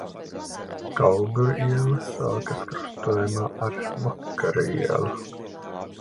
Kauguru iela sākas krustojumā ar Vakara ielu.